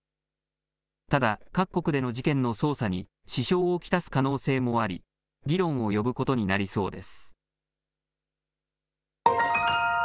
ただ、各国での事件の捜査に支障を来す可能性もあり、議論を呼ぶことになりそうです。